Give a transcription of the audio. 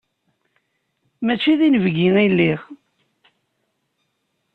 Mačči d inebgi i lliɣ.